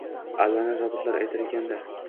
Allani robotlar aytar ekan-da!